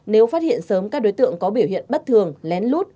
nếu phát hiện sớm các đối tượng có biểu hiện bất thường lén lút